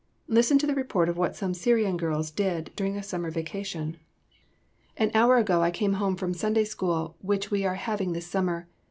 Listen to the report of what some Syrian girls did during a summer vacation. "An hour ago I came home from Sunday School which we are having this summer.